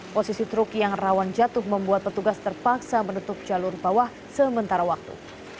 posisi truk yang rawan jatuh membuat petugas terpaksa menutup jalur bawah sementara waktu